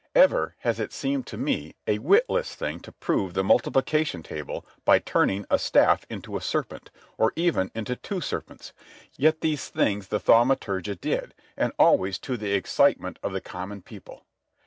Ever has it seemed to me a witless thing to prove the multiplication table by turning a staff into a serpent, or even into two serpents. Yet these things the thaumaturgi did, and always to the excitement of the common people.